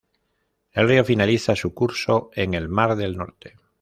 El río finaliza su curso en el mar del Norte.